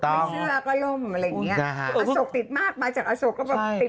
อโทษหวงติดมากมาจากอโทษหวงก็ติดอีก